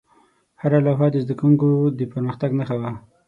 هره لوحه د زده کوونکو د پرمختګ نښه وه.